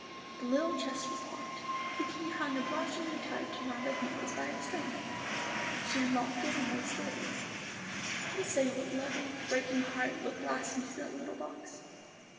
The little chest was locked, but the key hung obligingly tied to one of the handles by a string. She unlocked it, and raised the lid. Who can say what loving, breaking heart looked last into that little box?